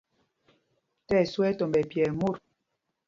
Tí ɛsu ɛ tɔmb nɛ pyɛɛ mot.